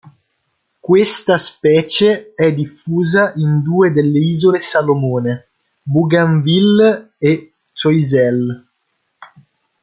Questa specie è diffusa in due delle Isole Salomone: Bougainville, e Choiseul.